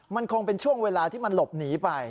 มันคงเป็นช่วงเวลาที่มันหลบหนีไป